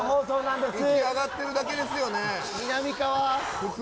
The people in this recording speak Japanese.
息上がってるだけですよね。